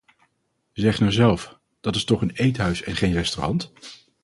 Zeg nou zelf, dat is toch een eethuis en geen restaurant.